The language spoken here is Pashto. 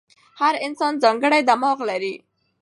هر انسان ځانګړی دماغ لري.